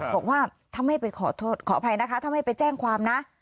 บอกว่าถ้าไม่ไปขอโทษขออภัยนะคะถ้าไม่ไปแจ้งความนะ